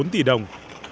bốn tỷ đồng